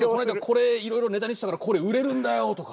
これいろいろネタにしたからこれ売れるんだよとか。